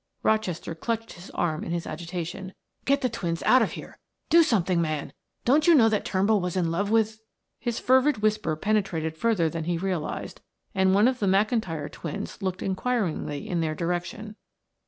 Rochester clutched his arm in his agitation. "Get the twins out of here do something, man! Don't you know that Turnbull was in love with " His fervid whisper penetrated further than he realized and one of the McIntyre twins looked inquiringly in their direction.